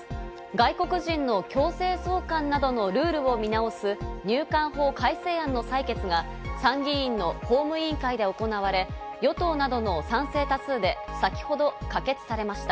外国人の強制送還などのルールを見直す入管法改正案の採決が参議院の法務委員会で行われ、与党などの賛成多数で、先ほど可決されました。